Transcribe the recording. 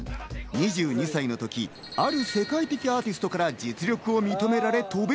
２２歳の時、ある世界的アーティストから実力を認められ渡米。